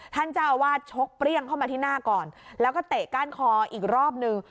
ท่านเจ้าอาวาสชกเปรี้ยงเข้ามาที่หน้าก่อนแล้วก็เตะก้านคออีกรอบนึง